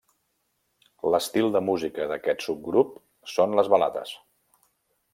L’estil de música d’aquest subgrup són les balades.